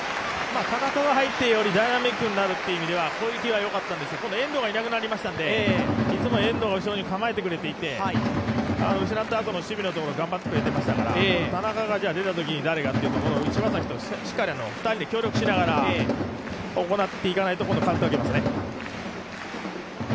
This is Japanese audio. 田中が入って、よりダイナミックになるという意味では攻撃がよかったんですけど遠藤がいなくなりましたのでいつもは遠藤が後ろにかまえてくれていて、後ろの守備のところ頑張ってくれてましたから、誰がというところ、柴崎としっかり２人で協力しながら、行っていかないと今度はカウンターを受けますよね。